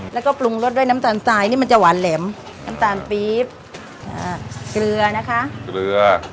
แล้วก็ปรุงรสด้วยน้ำตาลทรายนี่มันจะหวานแหลมน้ำตาลปี๊บอ่าเกลือนะคะเกลือ